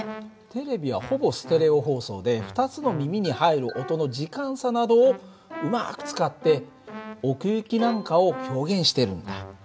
テレビはほぼステレオ放送で２つの耳に入る音の時間差などをうまく使って奥行きなんかを表現しているんだ。